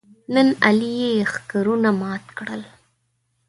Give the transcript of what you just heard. نن علي یې ښکرونه مات کړل.